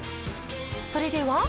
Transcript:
それでは。